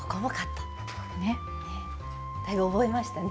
だいぶ覚えましたね。